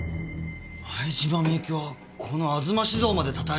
前島美雪はこの吾妻酒造までたたいてたのか。